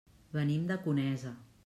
Venim de Conesa.